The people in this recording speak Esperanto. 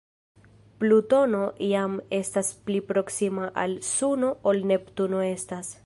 Plutono iam estas pli proksima al Suno ol Neptuno estas.